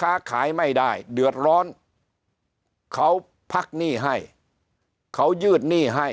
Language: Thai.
ค้าขายไม่ได้เดือดร้อนเขาพักหนี้ให้เขายืดหนี้ให้